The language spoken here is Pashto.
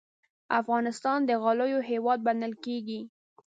افغانستان د غالیو هېواد بلل کېږي.